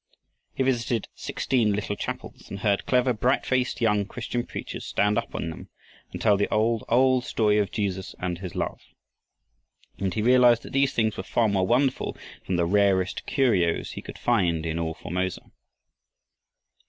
He visited sixteen little chapels and heard clever, brightfaced young Chinese preachers stand up in them and tell the old, old story of Jesus and his love. And he realized that these things were far more wonderful than the rarest curios he could find in all Formosa.